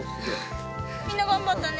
みんな頑張ったね。